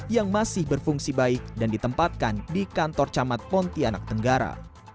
yang masih berfungsi baik dan ditempatkan di kantor camat pontianak tenggara